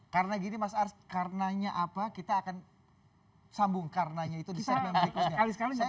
karena gini mas ars karenanya apa kita akan sambung karenanya itu di segmen berikutnya